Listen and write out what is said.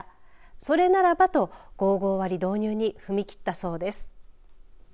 それならばと５５割導入に踏み切ったそうです。